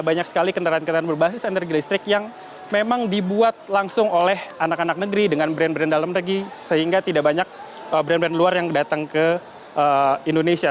banyak sekali kendaraan kendaraan berbasis energi listrik yang memang dibuat langsung oleh anak anak negeri dengan brand brand dalam negeri sehingga tidak banyak brand brand luar yang datang ke indonesia